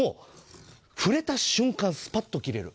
触れた瞬間、スパッと切れる。